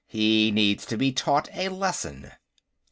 He needs to be taught a lesson."